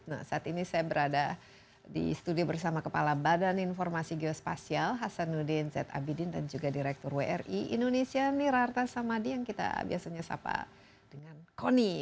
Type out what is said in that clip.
nah saat ini saya berada di studio bersama kepala badan informasi geospasial hasanuddin z abidin dan juga direktur wri indonesia nirarta samadi yang kita biasanya sapa dengan koni